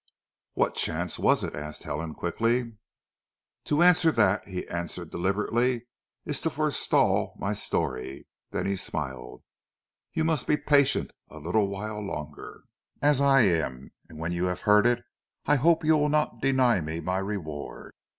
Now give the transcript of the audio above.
"What chance was it?" asked Helen quickly. "To answer that," he answered deliberately, "is to forestall my story." Then he smiled, "You must be patient a little while longer, as I am, and when you have heard it, I hope you will not deny me my reward?"